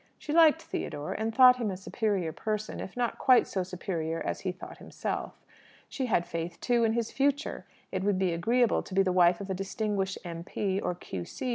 She liked Theodore, and thought him a superior person; if not quite so superior as he thought himself. She had faith, too, in his future. It would be agreeable to be the wife of a distinguished M.P. or Q.C.